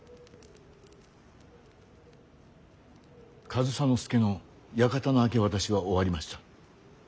上総介の館の明け渡しは終わりました。